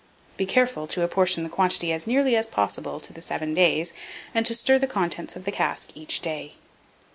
Be careful to apportion the quantity as nearly as possible to the seven days, and to stir the contents of the cask each day.